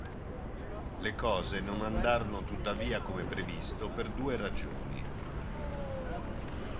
Le cose non andarono tuttavia come previsto per due ragioni.